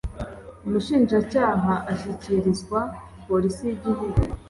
umushinjacyaha ashyikirizwa polisi y igihugu .